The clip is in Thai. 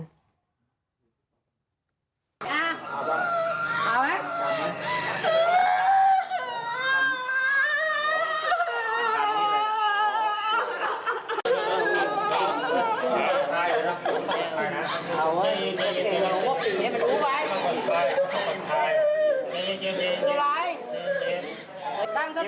จี๊ะจิ๊มจี๊ม